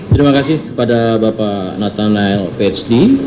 terima kasih kepada bapak nathan nail phd